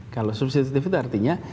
kalau substitutif itu artinya